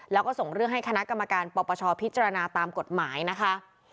แล้วก็ส่งเรื่องให้คณะกรรมการปปชพิจารณาตามกฎหมายนะคะ